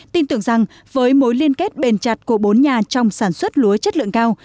tin tưởng rằng với mối liên kết bền chặt của bốn nhà trong sản xuất lúa chất lượng cao